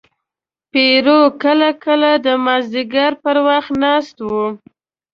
پیرو کله کله د مازدیګر پر وخت ناست و.